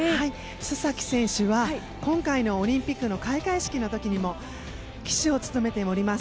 須崎選手は今回のオリンピックの開会式の時にも旗手を務めております。